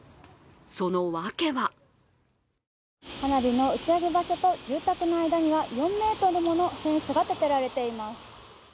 そのワケは花火の打ち上げ場所と住宅の間には、４ｍものフェンスがたてられています。